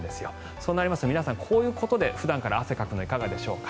そうなりますと、皆さんこういうことで普段から汗をかくのはいかがでしょうか。